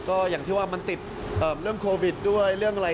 ก็อย่างที่ว่ามันติดเรื่องโควิดด้วยเรื่องอะไร